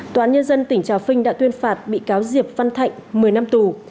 tòa án nhân dân tỉnh trà vinh đã tuyên phạt bị cáo diệp văn thạnh một mươi năm tù